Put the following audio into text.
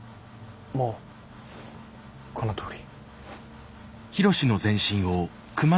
もうこのとおり。